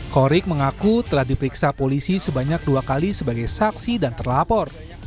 korik mengaku telah diperiksa polisi sebanyak dua kali sebagai saksi dan terlapor